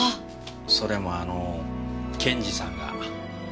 それもあの検事さんが。